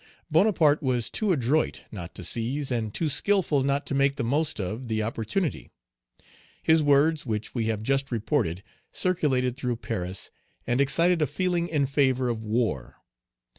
Bonaparte was too adroit not to seize, and too skilful not to make the most of, the opportunity. His words, which we have just reported, circulated through Paris, and excited a feeling in favor of war.